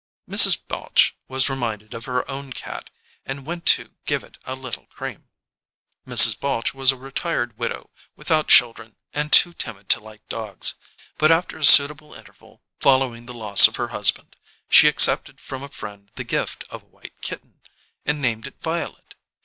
Mrs. Balche was reminded of her own cat, and went to give it a little cream. Mrs. Balche was a retired widow, without children, and too timid to like dogs; but after a suitable interval, following the loss of her husband, she accepted from a friend the gift of a white kitten, and named it Violet.